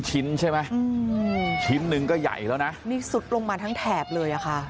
ชิ้นใช่ไหมอืมชิ้นหนึ่งก็ใหญ่แล้วนะนี่สุดลงมาทั้งแถบเลยอ่ะค่ะ